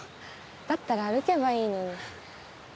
だったら歩けばいいのに。